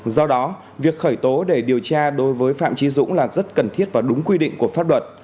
do đó việc khởi tố để điều tra đối với phạm trí dũng là rất cần thiết và đúng quy định của pháp luật